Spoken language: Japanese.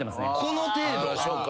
この程度？